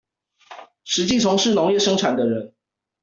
實際從事農業生產的人